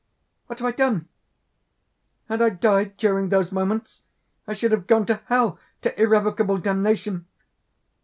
_) "What have I done! "Had I died during those moments, I should have gone to hell to irrevocable damnation."